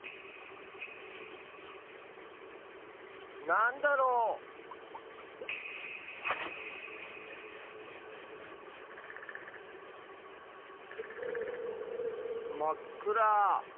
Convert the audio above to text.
なんだろう？まっくら。